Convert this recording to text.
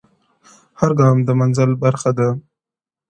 هر ګام د منزل برخه ده